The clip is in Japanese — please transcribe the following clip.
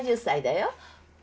７０歳だよ。